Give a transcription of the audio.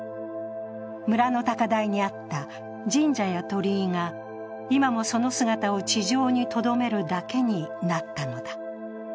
村の高台にあった神社や鳥居が今もその姿を地上にとどめるだけになったのだ。